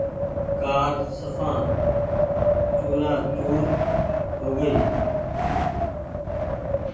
ڪآر سڦان چورآ چور هو گئي ۔